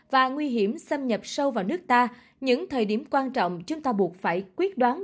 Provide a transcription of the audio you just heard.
và nguy hiểm xâm nhập sâu vào nước ta những thời điểm quan trọng chúng ta buộc phải quyết đoán